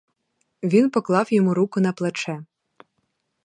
Він поклав йому руку на плече.